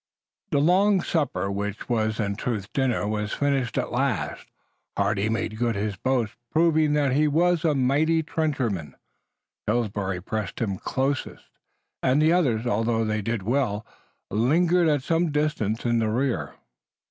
The long supper which was in truth a dinner was finished at last. Hardy made good his boast, proving that he was a mighty trencherman. Pillsbury pressed him closest, and the others, although they did well, lingered at some distance in the rear.